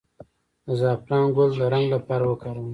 د زعفران ګل د رنګ لپاره وکاروئ